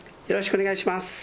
よろしくお願いします。